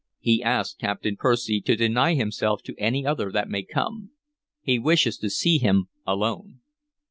"He asks Captain Percy to deny himself to any other that may come. He wishes to see him alone."